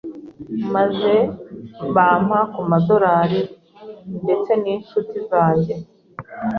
maze bampa ku madorari ndetse n’inshuti zanjye